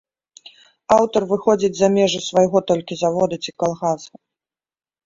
Аўтар выходзіць за межы свайго толькі завода ці калгаса.